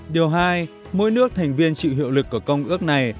điều hai mỗi nước thành viên chịu hiệu lực của công ước này